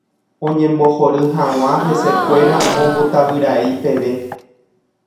Oñembohory hag̃ua hesekuéra ombotavyrai peve.